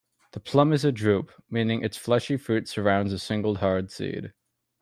The plum is a drupe, meaning its fleshy fruit surrounds a single hard seed.